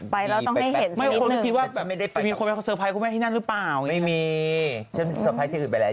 แล้วก็แปลกมีความรักครบหาดูแลกันมา๔ปีแล้ว